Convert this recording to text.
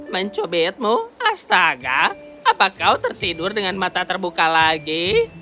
mencubitmu astaga apa kau tertidur dengan mata terbuka lagi